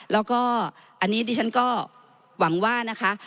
แล้วก็อันนี้ดิฉันก็หวังว่านะคะ